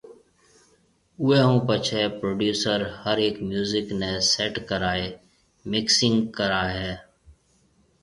اوئي ھونپڇي پروڊيوسر ھر ھيَََڪ ميوزڪ ني سيٽ ڪرائي مڪسنگ ڪراوي ھيَََ